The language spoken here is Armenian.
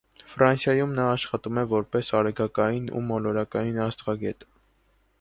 Ֆրանսիայում նա աշխատում է որպես արեգակնային ու մոլորակային աստղագետ։